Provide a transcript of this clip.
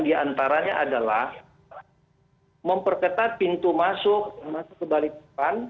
diantaranya adalah memperketat pintu masuk ke balikpapan